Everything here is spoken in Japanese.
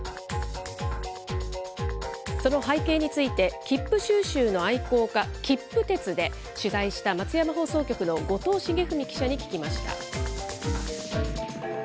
その背景について、きっぷ収集の愛好家、きっぷ鉄で、取材した松山放送局の後藤茂文記者に聞きました。